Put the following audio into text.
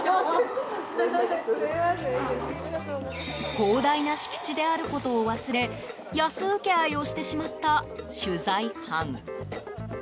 広大な敷地であることを忘れ安請け合いをしてしまった取材班。